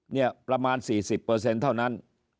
เนี่ยประมาณ๔๐เท่านั้น